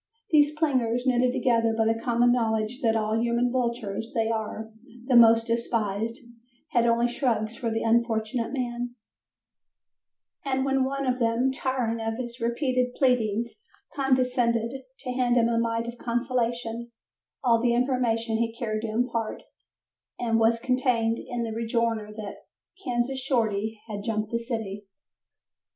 These plingers, knitted together by the common knowledge that of all human vultures they are the most despised, had only shrugs for the unfortunate man, and when one of them, tiring of his repeated pleadings, condescended to hand him a mite of consolation, all the information he cared to impart was contained in the rejoinder that "Kansas Shorty had jumped the city."